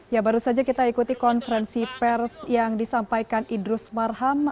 ya baru saja kita ikuti konferensi pers yang disampaikan idrus marham